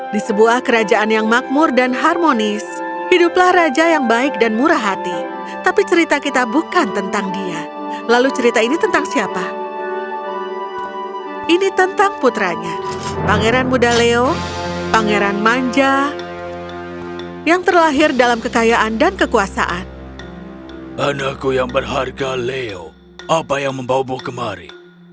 dan aku yang berharga leo apa yang membawamu kemari